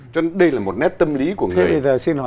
cho nên đây là một nét tâm lý của người ấy